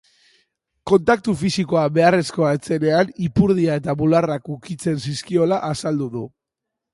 Kontaktu fisikoa beharrezkoa ez zenean, ipurdia eta bularrak ukitzen zizkiola azaldu du.